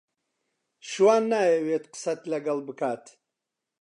شوان نایەوێت قسەت لەگەڵ بکات.